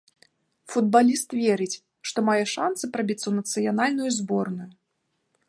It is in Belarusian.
Футбаліст верыць, што мае шанцы прабіцца ў нацыянальную зборную.